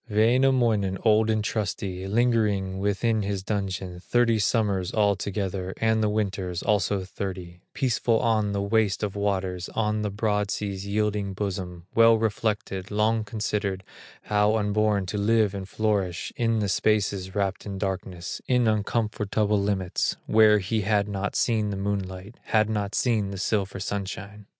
Wainamoinen, old and trusty, Lingering within his dungeon Thirty summers altogether, And of winters, also thirty, Peaceful on the waste of waters, On the broad sea's yielding bosom, Well reflected, long considered, How unborn to live and flourish In the spaces wrapped in darkness, In uncomfortable limits, Where he had not seen the moonlight, Had not seen the silver sunshine.